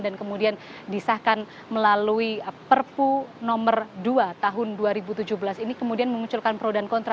dan kemudian disahkan melalui perpu nomor dua tahun dua ribu tujuh belas ini kemudian memunculkan pro dan kontra